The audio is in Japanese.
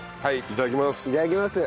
いただきます。